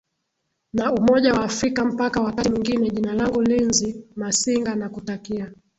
na umoja wa afrika mpaka wakati mwingine jina langu linzi masinga nakutakia